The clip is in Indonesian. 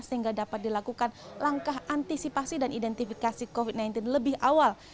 sehingga dapat dilakukan langkah antisipasi dan identifikasi covid sembilan belas lebih awal